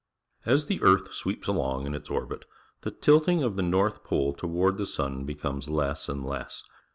As the earth sweeps along in its orbit, the tilting of the north pole toward the sun becomes less and less.